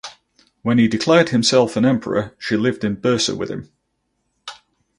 When he declared himself an emperor she lived in Bursa with him.